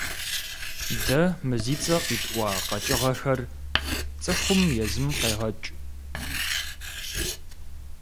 Дэ мы зи цӀэ къитӀуа къэкӀыгъэхэр цӀыхум езым къегъэкӀ.